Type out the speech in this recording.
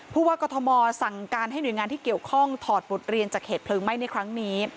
ผู้ว่ากรทมสั่งการให้หน่วยงานที่เกี่ยวข้องถอดบทเรียนจากเหตุเพลิงไหม้ในครั้งนี้